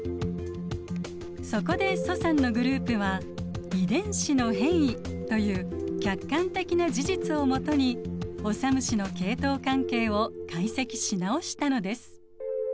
そこで蘇さんのグループは遺伝子の変異という客観的な事実を基にオサムシの系統関係を解析し直したのです。